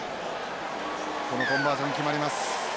このコンバージョン決まります。